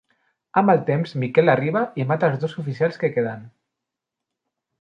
Amb el temps, Miquel arriba i mata els dos oficials que queden.